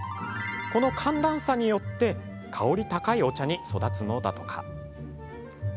この寒暖差によって香り高いお茶に育つのだとか。